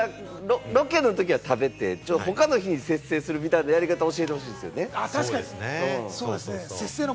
ロケの日に食べて、他の日に節制するみたいな食べ方を教えてほしいですよね。